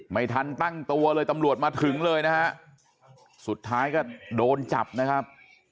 ไม่ทันตั้งตัวเลยตำรวจมาถึงเลยนะฮะสุดท้ายก็โดนจับนะครับ